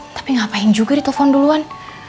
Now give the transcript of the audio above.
tapi ngapain juga ditelepon duluan